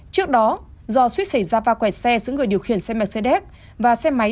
trước đó do suýt xảy ra va quẹt xe giữa người điều khiển xe mercedes và xe máy